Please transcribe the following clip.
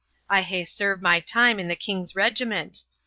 I hae served my time in a king's regiment.